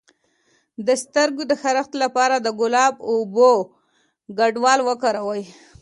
د سترګو د خارښ لپاره د ګلاب او اوبو ګډول وکاروئ